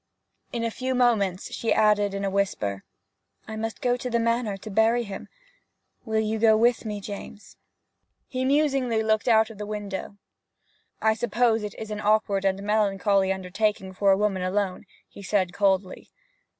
In a few moments she added, in a whisper, 'I must go to the Manor to bury him ... Will you go with me, James?' He musingly looked out of the window. 'I suppose it is an awkward and melancholy undertaking for a woman alone,' he said coldly.